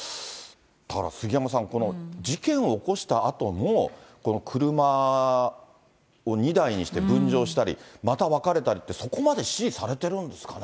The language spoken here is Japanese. だから杉山さん、事件を起こしたあとも、この車を２台にして分乗したり、またわかれたりって、そこまで指示されてるんですかね。